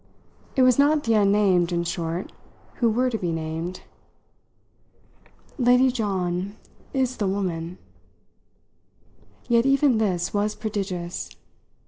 It was not the unnamed, in short, who were to be named. "Lady John is the woman." Yet even this was prodigious.